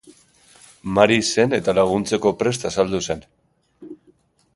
Mari zen eta laguntzeko prest azaldu zen.